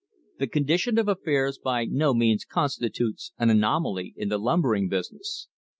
This condition of affairs by no means constitutes an anomaly in the lumbering business.